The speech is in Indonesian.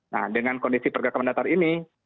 nah dengan kondisi pergerakan datar ini